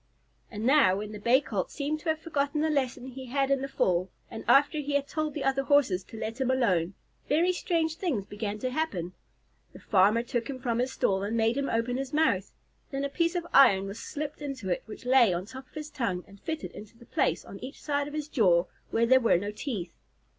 And now, when the Bay Colt seemed to have forgotten the lesson he had in the fall, and after he had told the other Horses to let him alone, very strange things began to happen. The farmer took him from his stall and made him open his mouth. Then a piece of iron was slipped into it, which lay on top of his tongue and fitted into the place on each side of his jaw where there were no teeth.